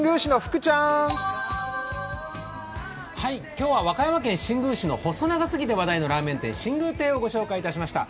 今日は和歌山県新宮市の細長すぎるラーメン店、新宮店をご紹介しました。